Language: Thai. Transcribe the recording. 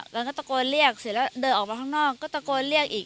แล้วก็ตะโกนเรียกเสร็จแล้วเดินออกมาข้างนอกก็ตะโกนเรียกอีก